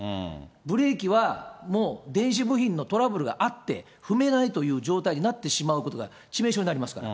ブレーキはもう電子部品のトラブルがあって、踏めないという状況になってしまうことが、致命傷になりますから。